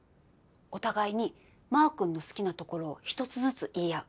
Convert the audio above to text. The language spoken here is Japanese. お互いにマー君の好きなところを１つずつ言い合う。